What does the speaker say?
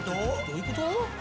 どういうこと？